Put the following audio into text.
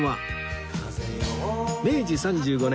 明治３５年